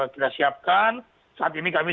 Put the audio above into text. kita siapkan saat ini kami